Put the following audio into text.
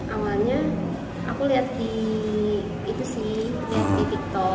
awalnya aku lihat di tiktok